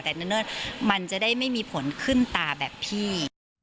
แต่เนิ่นมันจะได้ไม่มีผลขึ้นตาแบบพี่